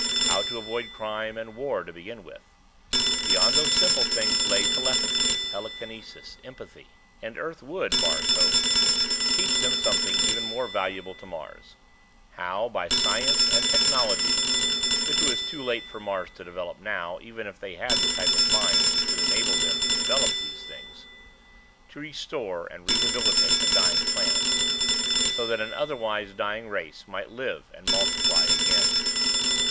How to avoid crime and war to begin with. Beyond those simple things lay telepathy, telekinesis, empathy.... And Earth would, Mars hoped, teach them something even more valuable to Mars: how, by science and technology which it was too late for Mars to develop now, even if they had the type of minds which would enable them to develop these things to restore and rehabilitate a dying planet, so that an otherwise dying race might live and multiply again.